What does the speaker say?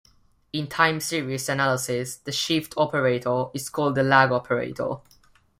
In time series analysis, the shift operator is called the lag operator.